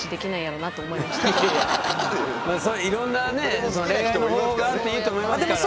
いろんなね恋愛の方法があっていいと思いますから。